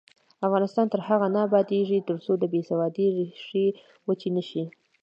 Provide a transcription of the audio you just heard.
افغانستان تر هغو نه ابادیږي، ترڅو د بې سوادۍ ریښې وچې نشي.